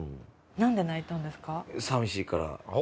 何で泣いたんですか？